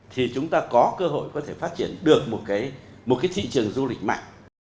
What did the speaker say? thì chúng ta có cơ hội có thể phát triển được một cái thị trường du lịch mạnh